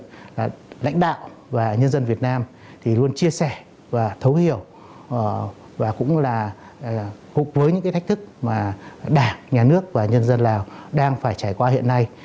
các lãnh đạo và nhân dân việt nam thì luôn chia sẻ và thấu hiểu và cũng là với những cái thách thức mà đảng nhà nước và nhân dân lào đang phải trải qua hiện nay